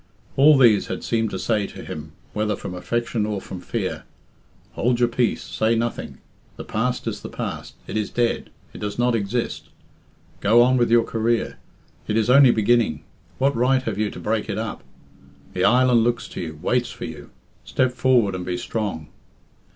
All these had seemed to say to him, whether from affection or from fear, "Hold your peace. Say nothing. The past is the past; it is dead; it does not exist. Go on with your career. It is only beginning. What right have you to break it up? The island looks to you, waits for you. Step forward and be strong."